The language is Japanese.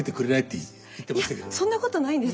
いやそんなことないんです。